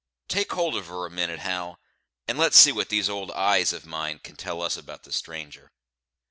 Take hold of her a minute, Hal, and let's see what these old eyes of mine can tell us about the stranger."